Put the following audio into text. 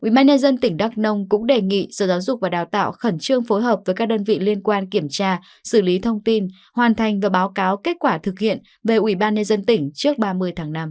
ubnd tỉnh đắc nông cũng đề nghị sở giáo dục và đào tạo khẩn trương phối hợp với các đơn vị liên quan kiểm tra xử lý thông tin hoàn thành và báo cáo kết quả thực hiện về ubnd tỉnh trước ba mươi tháng năm